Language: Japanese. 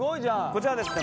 こちらはですね